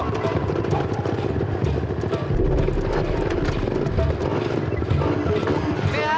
satu dua tiga